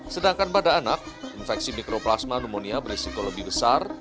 sedangkan pada anak infeksi mikroplasma pneumonia berisiko lebih besar